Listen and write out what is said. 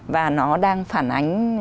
và nó đang phản ánh